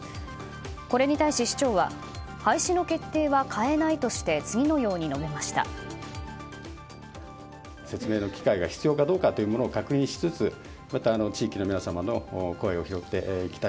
これに対し市長は廃止の決定は変えないとして次のように述べました。